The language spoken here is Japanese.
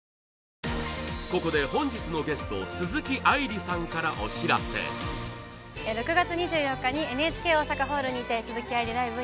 ここで本日のゲスト６月２４日にＮＨＫ大阪ホールにて鈴木愛理ＬＩＶＥ